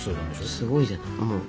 すごいじゃない。